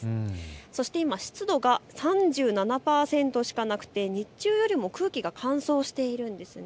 そして今、湿度が３７％しかなくて日中よりも空気が乾燥しているんですね。